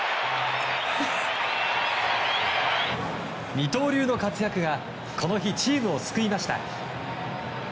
二刀流の活躍がこの日、チームを救いました。